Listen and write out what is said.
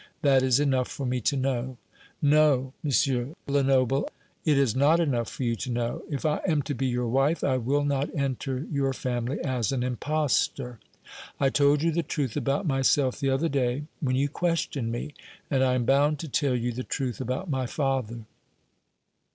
That is enough for me to know." "No, M. Lenoble; it is not enough for you to know. If I am to be your wife, I will not enter your family as an impostor. I told you the truth about myself the other day when you questioned me, and I am bound to tell you the truth about my father."